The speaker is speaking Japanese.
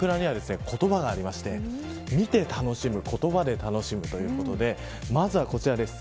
言葉がありまして見て楽しむ言葉で楽しむということでまずはこちらです。